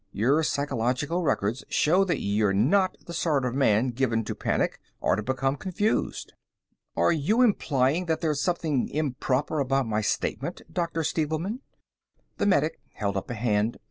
Your psychological records show that you're not the sort of man given to panic or to become confused." "Are you implying that there's something improper about my statement, Dr. Stevelman?" The medic held up a hand.